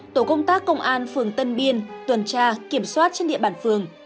tổ công tác công an phường tân biên tuần tra kiểm soát trên địa bàn phường